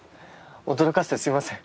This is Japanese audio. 驚かせてすいません。